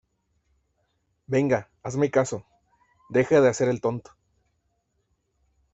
venga, hazme caso. deja de hacer el tonto